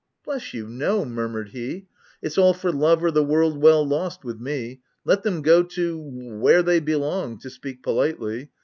" Bless you ! no," murmured he. " It's ' all for love or the world well lost,' with me. Let them go to — where they belong, to speak po litely.